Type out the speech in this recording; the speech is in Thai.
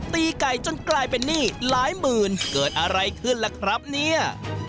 ตีไก่จนกลายเป็นหนี้หลายหมื่นเกิดอะไรขึ้นล่ะครับเนี่ย